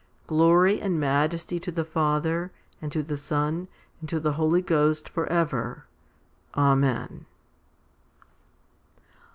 Glory and majesty to the Father, and to the Son, and the Holy Ghost for ever. Amen.